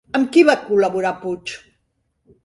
Amb qui va col·laborar Puig?